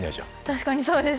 確かにそうですね。